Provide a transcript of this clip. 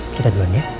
kita duluan ya